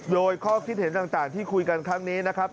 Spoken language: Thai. โดยข้อคิดเห็นต่างที่คุยกันครั้งนี้นะครับ